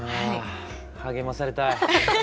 励まされたい！